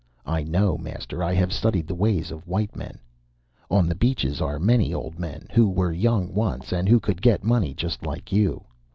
I know, master. I have studied the way of white men. On the beaches are many old men who were young once, and who could get money just like you.